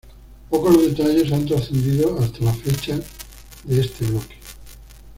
Pocos detalles han trascendido hasta la fecha de este bloque.